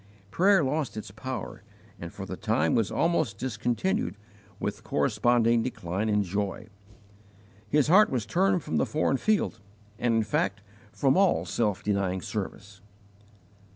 Prayer lost its power and for the time was almost discontinued, with corresponding decline in joy. His heart was turned from the foreign field, and in fact from all self denying service.